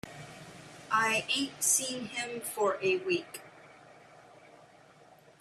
I ain't seen him for a week.